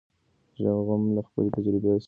زغم مې له خپلې تجربې څخه ترلاسه کړ.